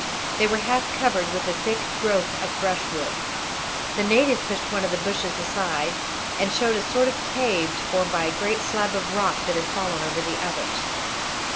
They were half covered with the thick growth of brushwood. The native pushed one of the bushes aside, and showed a sort of cave formed by a great slab of rock that had fallen over the others.